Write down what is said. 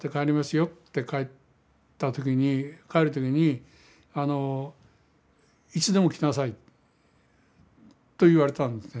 よって帰った時に帰る時に「いつでも来なさい」と言われたんですね。